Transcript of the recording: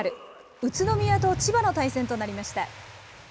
宇都宮と千葉の対戦となりました。